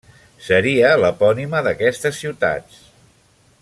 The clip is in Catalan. Seria l'epònima d'aquestes ciutats.